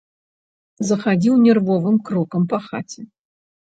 Захадзіў нервовым крокам па хаце.